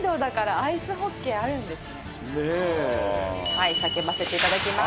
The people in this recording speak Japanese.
はい、叫ばせて頂きます。